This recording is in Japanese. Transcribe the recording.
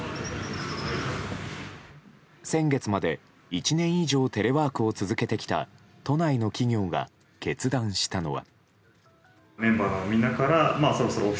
先月まで、１年以上テレワークを続けてきた都内の企業が決断したのは。